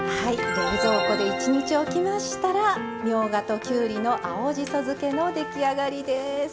冷蔵庫で１日おきましたらみょうがときゅうりの青じそ漬けの出来上がりです。